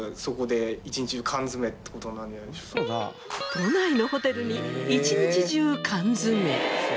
都内のホテルに一日中缶詰め。